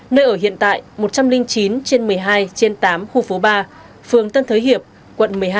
nơi ở hiện tại một trăm linh chín trên một mươi hai trên tám khu phố ba phường tân thới hiệp quận một mươi hai